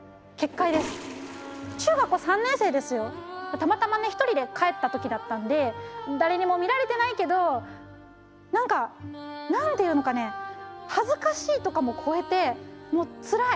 たまたまね１人で帰った時だったんで誰にも見られてないけど何か何て言うのかね恥ずかしいとかも超えてもうつらい。